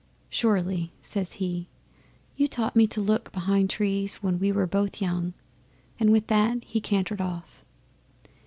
'"Surely," says he. "You taught me to look behind trees when we were both young." And with that he cantered off.